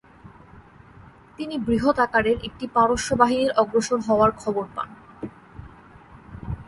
তিনি বৃহৎ আকারের একটি পারস্য বাহিনীর অগ্রসর হওয়ার খবর পান।